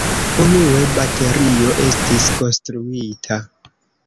Unue baterio estis konstruita.